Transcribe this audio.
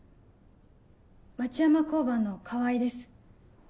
町山交番の川合です。